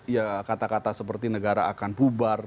ya kata kata seperti negara akan bubar